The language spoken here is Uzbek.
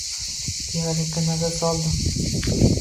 Tevarakka nazar soldi.